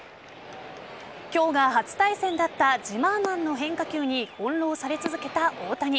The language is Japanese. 今日が初対戦だったジマーマンの変化球に翻弄され続けた大谷。